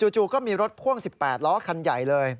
จู่ก็มีรถพ่วง๑๘ล้อคันใหญ่เลย